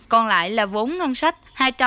còn lại là vốn ngân sách